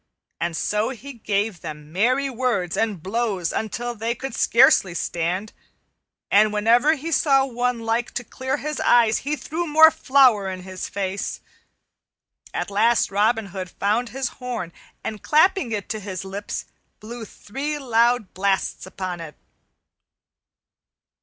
And so he gave them merry words and blows until they could scarcely stand, and whenever he saw one like to clear his eyes he threw more flour in his face. At last Robin Hood found his horn and clapping it to his lips, blew three loud blasts upon it.